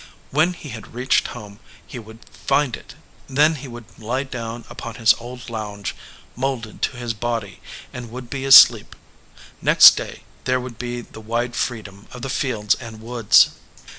When he had reached home, he would find it. Then he would lie down upon his old lounge, molded to his body, and would be asleep. Next day, there would be the wide freedom of the fields and woods.